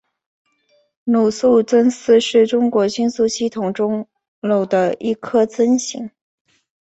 娄宿增四是中国星官系统中娄的一颗增星。